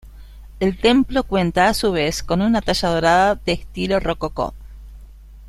El templo cuenta a su vez con una talla dorada de estilo Rococó.